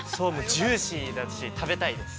◆ジューシーだし食べたいです。